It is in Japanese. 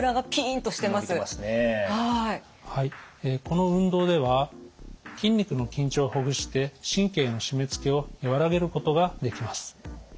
この運動では筋肉の緊張をほぐして神経の締めつけを和らげることができます。